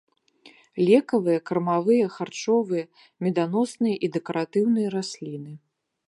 Лекавыя, кармавыя, харчовыя, меданосныя і дэкаратыўныя расліны.